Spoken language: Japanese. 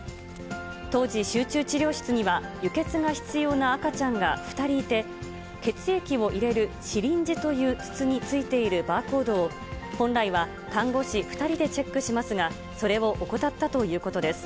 当時、集中治療室には輸血が必要な赤ちゃんが２人いて、血液を入れるシリンジという筒についているバーコードを、本来は看護師２人でチェックしますが、それを怠ったということです。